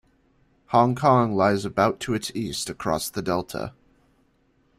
Hong Kong lies about to its east across the Delta.